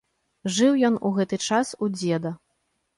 Жыў ён у гэты час у дзеда.